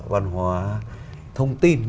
văn hóa thông tin